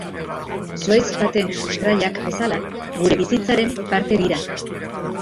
Zuhaitz baten sustraiak bezala, gure bizitzaren parte dira.